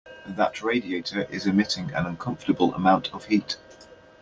That radiator is emitting an uncomfortable amount of heat.